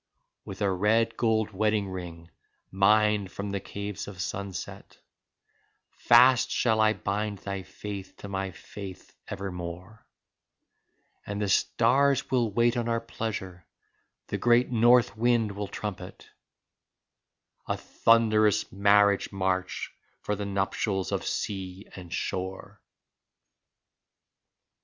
37 With a red gold wedding ring, mined from the caves of sunset, Fast shall I bind thy faith to my faith evermore, And the stars will wait on our pleasure, the great north wind will trumpet A thunderous marriage march for the nuptials of sea and shore.